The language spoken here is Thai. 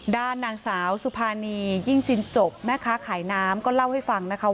ด้านนางสาวสุภานียิ่งจินจบแม่ค้าขายน้ำก็เล่าให้ฟังนะคะ